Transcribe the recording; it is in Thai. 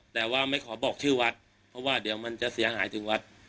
แต่ว่าไม่ขอบอกชื่อวัดเพราะว่าเดี๋ยวมันจะเสียหายถึงวัด